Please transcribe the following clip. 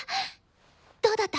どうだった？